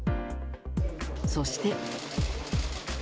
そして。